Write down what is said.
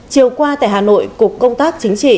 chiều qua tại hà nội cục công tác chính trị